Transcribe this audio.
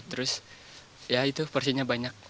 terus ya itu porsinya banyak